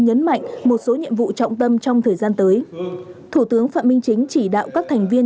nhấn mạnh một số nhiệm vụ trọng tâm trong thời gian tới thủ tướng phạm minh chính chỉ đạo các thành viên